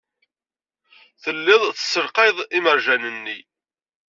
Telliḍ tessalqayeḍ imerjan-nni.